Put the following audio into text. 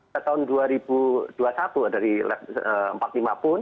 setelah dua ribu dua puluh satu dari empat puluh lima pun